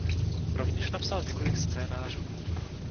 Rovněž napsal několik scénářů.